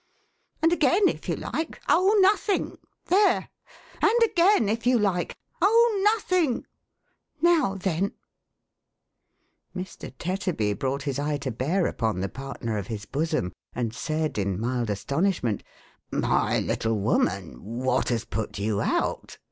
And again if you like, oh nothing — there ! And again if you like, oh nothing— now then !" Mr. Tetterby brought his eye to bear upon the partner of his bosom, and said, in mild astonishment :" My little woman, what has put you out